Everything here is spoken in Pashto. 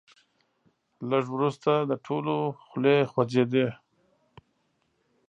لږ وروسته د ټولو خولې خوځېدې.